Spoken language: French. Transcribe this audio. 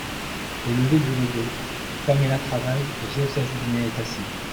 Au lever du rideau Paméla travaille, et Joseph Binet est assis.